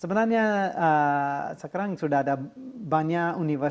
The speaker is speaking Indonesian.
sebenarnya sekarang sudah ada banyak universitas